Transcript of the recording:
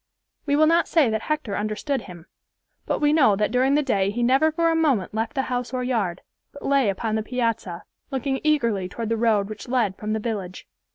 We will not say that Hector understood him, but we know that during the day he never for a moment left the house or yard, but lay upon the piazza, looking eagerly toward the road which led from the village.